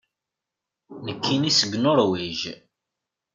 Nekkini seg Nuṛwij.